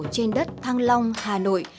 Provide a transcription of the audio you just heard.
trên đất thăng long hà nội